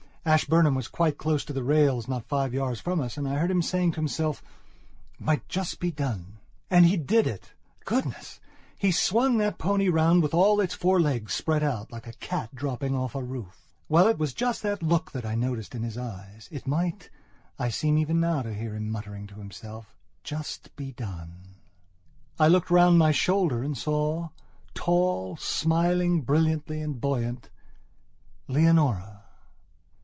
Ashburnham was quite close to the rails not five yards from us and I heard him saying to himself: "Might just be done!" And he did it. Goodness! he swung that pony round with all its four legs spread out, like a cat dropping off a roof.... Well, it was just that look that I noticed in his eyes: "It might," I seem even now to hear him muttering to himself, "just be done." I looked round over my shoulder and saw, tall, smiling brilliantly and buoyantLeonora.